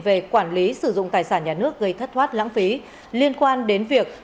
về quản lý sử dụng tài sản nhà nước gây thất thoát lãng phí liên quan đến việc